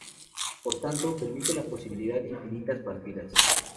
Por tanto, permite la posibilidad de infinitas partidas.